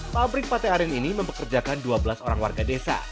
pabrik pate aren ini mempekerjakan dua belas orang warga desa